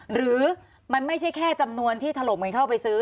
หรือมันไม่ใช่แค่จำนวนที่ถล่มเงินเข้าไปซื้อ